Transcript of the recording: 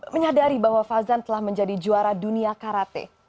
menyadari bahwa fauzan telah menjadi juara dunia karate